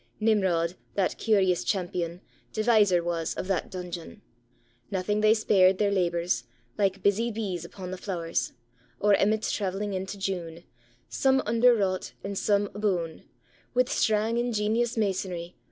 Nimrod, that curious champion, Deviser was of that dungeon. Nathing they spared their labors. Like busy bees upon the flowers, Or emmets traveling into June; Some under wrocht, and some aboon, With Strang ingenious masonry.